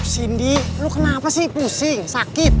sindi lo kenapa sih pusing sakit